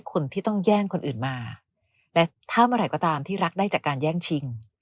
คนที่ต้องแย่งคนอื่นมาและถ้าเมื่อไหร่ก็ตามที่รักได้จากการแย่งชิง